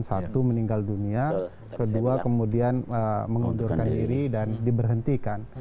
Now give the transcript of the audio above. satu meninggal dunia kedua kemudian mengundurkan diri dan diberhentikan